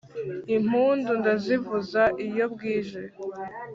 Impundu ndazivuza iyo bwije